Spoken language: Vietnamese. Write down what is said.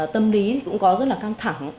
tâm lý cũng có rất là căng thẳng